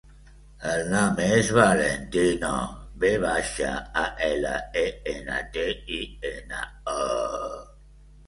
El nom és Valentino: ve baixa, a, ela, e, ena, te, i, ena, o.